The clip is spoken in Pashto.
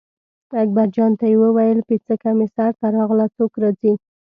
اکبرجان ته یې وویل پیڅکه مې سر ته راغله څوک راځي.